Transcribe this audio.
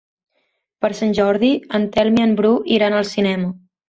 Per Sant Jordi en Telm i en Bru iran al cinema.